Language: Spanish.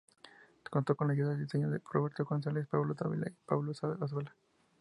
Contó con la ayuda de diseño de Roberto González, Pablo Dávila y Pablo Azuela.